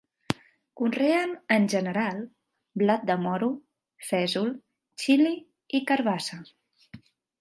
Conreen en general, blat de moro, fesol, xili i carabassa.